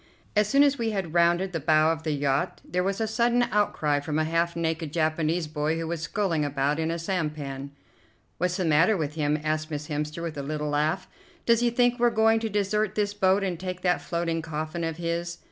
As soon as we had rounded the bow of the yacht there was a sudden outcry from a half naked Japanese boy who was sculling about in a sampan. "What's the matter with him?" asked Miss Hemster with a little laugh. "Does he think we're going to desert this boat and take that floating coffin of his?"